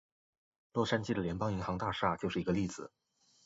洛杉矶的联邦银行大厦就是一个例子。